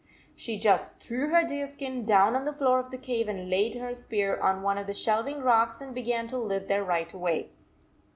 She just threw her deer skin down on the floor of the cave and laid her spear on one of the shelving rocks and began to live there right away.